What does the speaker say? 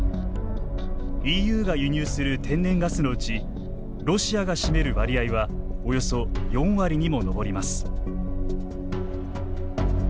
ＥＵが輸入する天然ガスのうちロシアが占める割合はおよそ４割にも上ります。